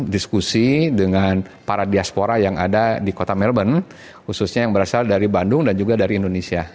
diskusi dengan para diaspora yang ada di kota melbourne khususnya yang berasal dari bandung dan juga dari indonesia